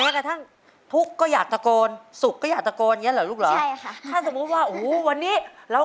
แม้กระทั่งทุกก็อยากตะโกนสุกก็อยากตะโกนเงี้ยเหรอลูกเหรอใช่ค่ะ